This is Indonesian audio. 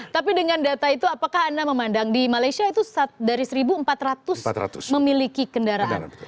tapi dengan data itu apakah anda memandang di malaysia itu dari satu empat ratus memiliki kendaraan